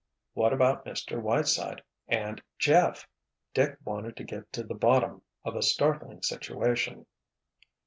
"What about Mr. Whiteside—and Jeff?" Dick wanted to get to the bottom of a startling situation.